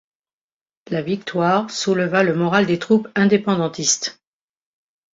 La victoire souleva le moral des troupes indépendantistes.